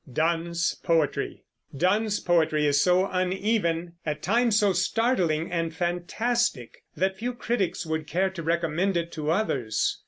DONNE'S POETRY. Donne's poetry is so uneven, at times so startling and fantastic, that few critics would care to recommend it to others.